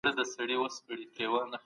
هېوادونو د نړيوال قانون درناوی نه دی کړی.